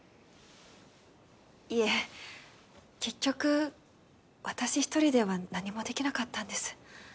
いえ結局私一人では何もできなかったんです。